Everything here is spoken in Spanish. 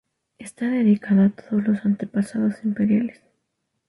Está dedicado a todos los antepasados imperiales.